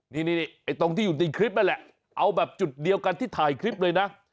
นี่ไอ้ตรงที่อยู่ในคลิปนั่นแหละเอาแบบจุดเดียวกันที่ถ่ายคลิปเลยนะ